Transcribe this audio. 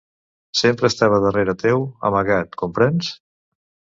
Sempre estava darrere teu, amagat, comprens?